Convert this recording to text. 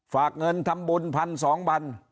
ฝากเงินทำบุญพันสองพัน